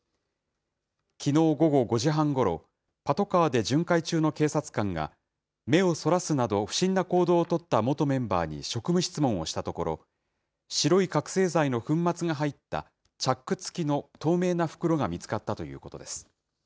きのう午後５時半ごろ、パトカーで巡回中の警察官が、目をそらすなど、不審な行動を取った元メンバーに職務質問をしたところ、白い覚醒剤の粉末が入ったチャック付きの透明な袋が見つかったということです。